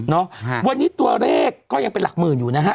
วันนี้ตัวเลขก็ยังเป็นหลักหมื่นอยู่นะฮะ